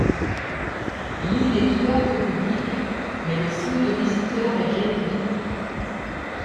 L'île est ouverte au public mais le flux de visiteurs est régulé.